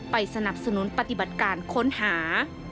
สนับสนุนปฏิบัติการค้นหา